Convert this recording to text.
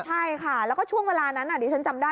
ใช่ค่ะแล้วก็ช่วงเวลานั้นดิฉันจำได้